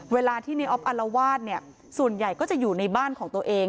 เวลาที่ในออฟอารวาสเนี่ยส่วนใหญ่ก็จะอยู่ในบ้านของตัวเอง